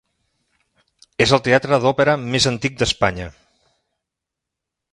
És el teatre d'òpera més antic d'Espanya.